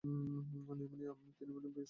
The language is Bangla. তিনি নিউমোনিয়ার বিপজ্জনক কেস অর্জন করেন।